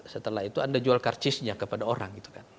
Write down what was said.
setelah itu anda jual karcisnya kepada orang